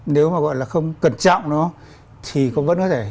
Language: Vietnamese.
nếu mà gọi là không cẩn trọng nó thì cũng vẫn có thể